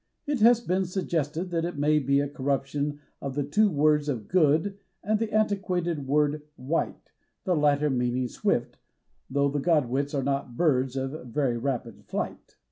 It has been suggested that it may be a corruption of the two words good and the antiquated word wight, the latter meaning swift, though the Godwits are not birds of very rapid flight.